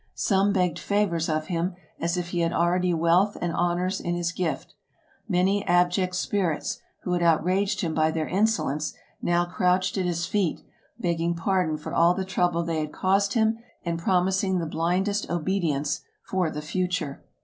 Some begged favors of him, as if he had already wealth and honors in his gift. Many ab ject spirits, who had outraged him by their insolence, now crouched at his feet, begging pardon for all the trouble they had caused him and promising the blindest obedience for the future.